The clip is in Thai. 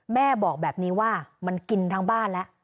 แม่บอกแบบนี้ว่ามันกินทั้งบ้านแล้ว